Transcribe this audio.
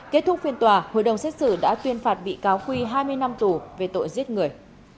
kết thúc phiên tòa hội đồng xét xử đã tuyên phạt bị cáo quy hai mươi năm tù về tội giết người